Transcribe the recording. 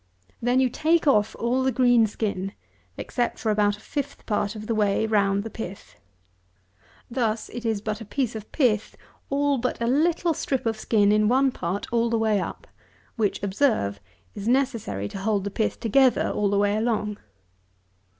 Then you take off all the green skin, except for about a fifth part of the way round the pith. Thus it is a piece of pith all but a little strip of skin in one part all the way up, which, observe, is necessary to hold the pith together all the way along.